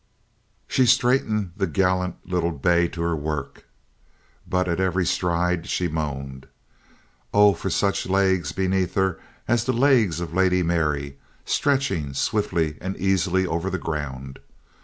She straightened the gallant little bay to her work, but at every stride she moaned. Oh for such legs beneath her as the legs of Lady Mary, stretching swiftly and easily over the ground!